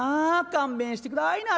勘弁してくださいな。